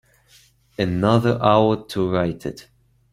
Another hour to write it.